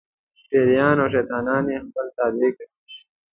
پېریان او شیطانان یې خپل تابع ګرځولي وو.